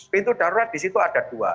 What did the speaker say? pintu darurat di situ ada dua